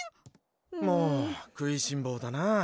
もう食いしん坊だなあ。